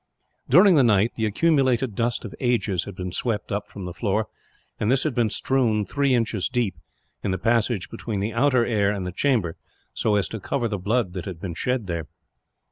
During the night the accumulated dust of ages had been swept up from the floor; and this had been strewn, three inches deep, in the passage between the outer air and the chamber, so as to cover the blood that had been shed there.